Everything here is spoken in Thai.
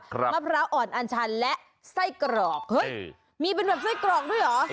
มะพร้าวอ่อนอันชันและไส้กรอกเฮ้ยมีเป็นแบบไส้กรอกด้วยเหรอ